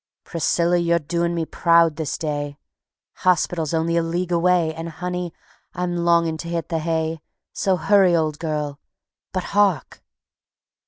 "Priscilla, you're doing me proud this day; Hospital's only a league away, And, honey, I'm longing to hit the hay, So hurry, old girl. ... But hark!"